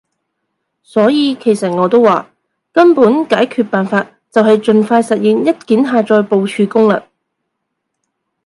所以其實我都話，根本解決辦法就係儘快實現一鍵下載部署功能